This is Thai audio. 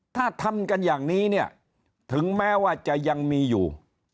ถ้าทำกันอย่างนี้เนี่ยถึงแม้ว่าจะยังมีอยู่